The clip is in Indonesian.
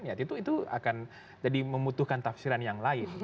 ya itu akan jadi membutuhkan tafsiran yang lain